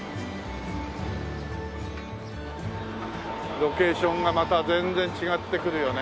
ロケーションがまた全然違ってくるよね。